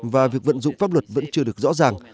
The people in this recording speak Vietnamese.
và việc vận dụng pháp luật vẫn chưa được hoàn thiện